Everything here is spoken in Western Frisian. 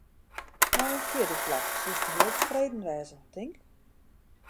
Mei in fjirde plak soesto heel tefreden wêze, tink?